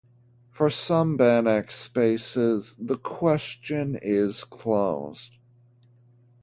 For some Banach spaces the question is closed.